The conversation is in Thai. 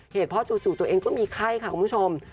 เหตุเพราะจู่ตัวเองก็มีไข้ค่ะคุณผู้ชม